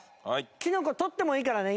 キノコ取ってもいいからね。